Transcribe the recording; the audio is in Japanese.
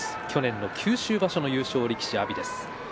去年の九州場所優勝力士阿炎です。